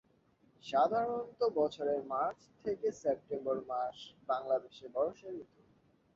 সাধারণত বছরের মার্চ থেকে সেপ্টেম্বর মাস বাংলাদেশে বর্ষা ঋতু।